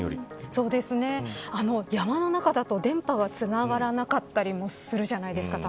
そうですね、山の中だと電波がつながらなかったりもするじゃないですか。